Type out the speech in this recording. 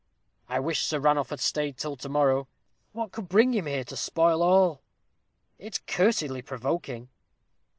I wish Sir Ranulph had stayed till to morrow what could bring him here, to spoil all? it's cursedly provoking!"